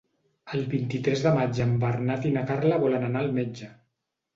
El vint-i-tres de maig en Bernat i na Carla volen anar al metge.